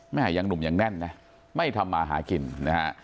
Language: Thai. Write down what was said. แม่ยังหนุ่มยังแน่นนะไม่ทำมาหากินนะฮะ